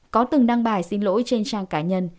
có từng đăng bài xin lỗi trên trang cá nhân